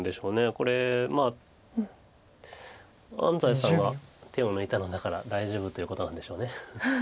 これ安斎さんが手を抜いたのだから大丈夫ということなんでしょう。